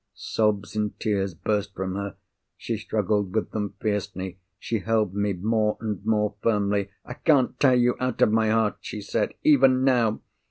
Sobs and tears burst from her. She struggled with them fiercely; she held me more and more firmly. "I can't tear you out of my heart," she said, "even now!